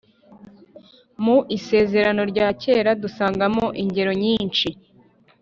mu isezerano rya kera, dusangamo ingero nyinshi